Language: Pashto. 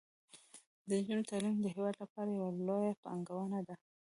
د نجونو تعلیم د هیواد لپاره یوه لویه پانګونه ده.